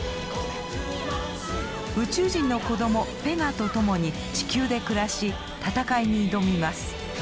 宇宙人の子供ペガとともに地球で暮らし戦いに挑みます。